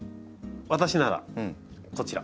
私ならこちら！